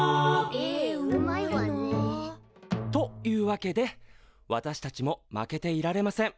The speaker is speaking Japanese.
絵うまいな。というわけで私たちも負けていられません。